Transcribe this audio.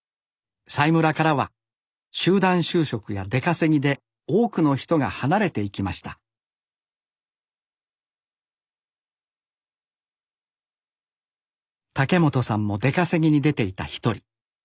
佐井村からは集団就職や出稼ぎで多くの人が離れていきました竹本さんも出稼ぎに出ていた一人。